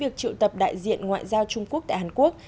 trụ tập đại diện ngoại giao trung quốc tại hàn quốc